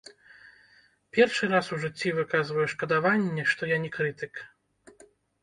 Першы раз у жыцці выказваю шкадаванне, што я не крытык.